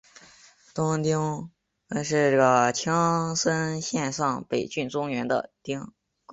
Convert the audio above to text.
东北町是青森县上北郡中部的町。